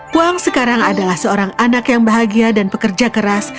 kuang sekarang adalah seorang anak yang bahagia dan pekerja keras